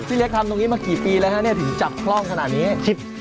เล็กทำตรงนี้มากี่ปีแล้วฮะเนี่ยถึงจับคล่องขนาดนี้